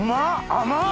甘っ！